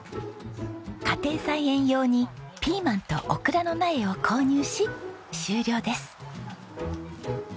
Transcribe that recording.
家庭菜園用にピーマンとオクラの苗を購入し終了です。